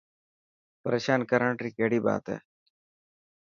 پريشان ڪرڻ ري ڪهڙي بات هي.